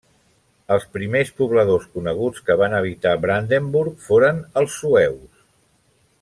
Els primers pobladors coneguts que van habitar Brandenburg foren els sueus.